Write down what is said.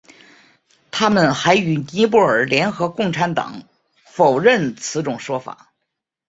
他们还与尼泊尔联合共产党否认此种说法。